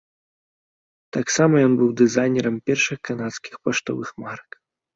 Таксама ён быў дызайнерам першых канадскіх паштовых марак.